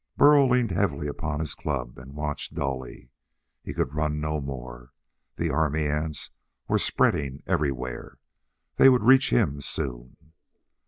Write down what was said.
Burl leaned heavily upon his club and watched dully. He could run no more. The army ants were spreading everywhere. They would reach him soon.